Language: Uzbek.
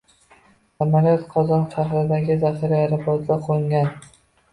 Samolyot Qozon shahridagi zaxira aeroportiga qo‘ngan